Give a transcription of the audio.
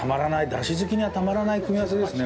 出汁好きにはたまらない組み合わせですね。